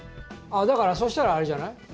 だからそしたらあれじゃない？